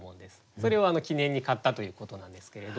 それを記念に買ったということなんですけれど。